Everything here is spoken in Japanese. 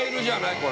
これ。